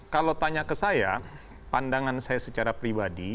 kalau tanya ke saya pandangan saya sendiri